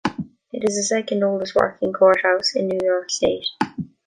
It is the second oldest working courthouse in New York State.